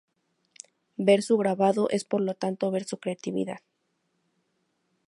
Ver su grabado, es por lo tanto ver su creatividad.